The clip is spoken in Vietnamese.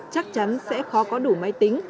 chắc chắn sẽ khó có đủ máy tính